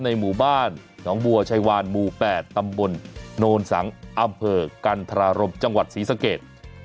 ในหมู่บ้านหนองบัวชายวานหมู่๘ตำบลโนนสังอำเภอกันธรารมจังหวัดศรีสเกต